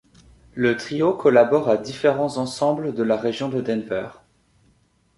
Le trio collabore à différents ensembles de la région de Denver.